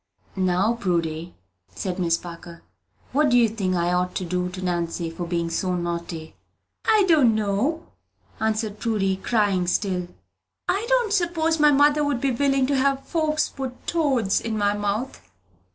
"Now, Prudy," added Miss Parker, "what do you think I ought to do to Nancy for being so naughty?" "I don't know," answered Prudy, crying still. "I don't s'pose my mother would be willing to have folks put toads in my mouth."